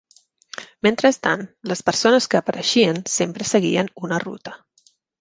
Mentrestant, les persones que apareixien sempre seguien una ruta.